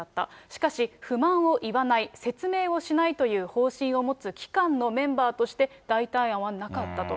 しかし、不満を言わない、説明をしないという方針を持つ機関のメンバーとして、代替案はなかったと。